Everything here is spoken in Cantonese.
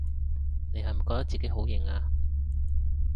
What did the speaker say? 你係咪覺得自己好型吖？